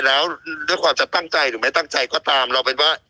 แล้วด้วยความจะตั้งใจหรือไม่ตั้งใจก็ตามเราเป็นว่า